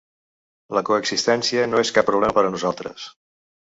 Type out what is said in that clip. La coexistència no és cap problema per a nosaltres.